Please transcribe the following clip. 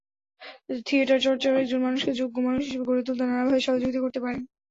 থিয়েটারচর্চা একজন মানুষকে যোগ্য মানুষ হিসেবে গড়ে তুলতে নানাভাবে সহযোগিতা করতে পারে।